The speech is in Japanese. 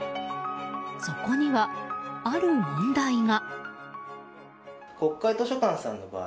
そこには、ある問題が。